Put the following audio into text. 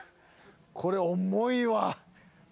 これ重いわ。